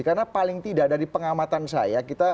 karena paling tidak dari pengamatan saya